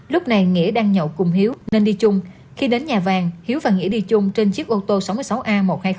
lúc này nghĩa đang nhậu cùng hữu nên đi chung khi đến nhà vàng hữu và nghĩa đi chung trên chiếc ô tô sáu mươi sáu a một mươi hai nghìn bảy mươi ba